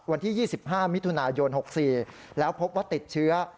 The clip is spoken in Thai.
วันที่๒๕มิถุนายน๖๔แล้วพบว่าติดเชื้อ